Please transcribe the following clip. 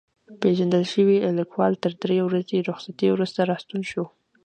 پېژندل شوی لیکوال تر درې ورځو رخصتۍ وروسته راستون شو.